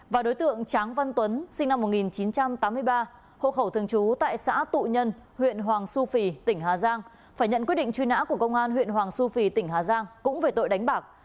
và đối tượng tráng văn tuấn sinh năm một nghìn chín trăm tám mươi ba hộ khẩu thường trú tại xã tụ nhân huyện hoàng su phi tỉnh hà giang phải nhận quyết định truy nã của công an huyện hoàng su phi tỉnh hà giang cũng về tội đánh bạc